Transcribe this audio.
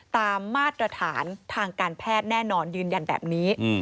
มาตรฐานทางการแพทย์แน่นอนยืนยันแบบนี้